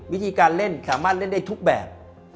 วิธีการเล่นสามารถเล่นได้ทุกแบบ